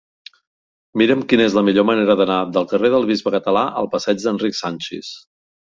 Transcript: Mira'm quina és la millor manera d'anar del carrer del Bisbe Català al passeig d'Enric Sanchis.